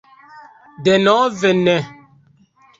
Denove ne!